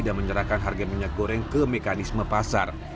dan menyerahkan harga minyak goreng ke mekanisme pasar